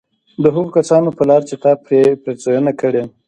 د هغو كسانو په لار چي تا پرې پېرزوينه كړې